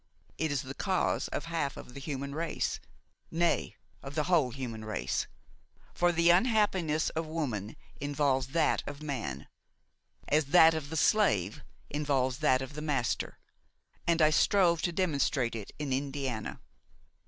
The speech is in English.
It is the cause of half of the human race, nay, of the whole human race; for the unhappiness of woman involves that of man, as that of the slave involves that of the master, and I strove to demonstrate it in Indiana.